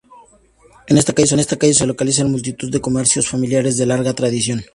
En esta calle se localizan multitud de comercios familiares de larga tradición.